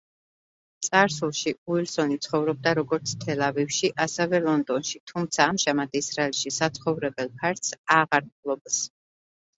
წარსულში უილსონი ცხოვრობდა როგორც თელ-ავივში, ასევე ლონდონში, თუმცა ამჟამად ისრაელში საცხოვრებელ ფართს აღარ ფლობს.